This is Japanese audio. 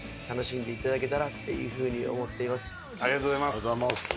楽しんでいただけたらっていう風に思っています。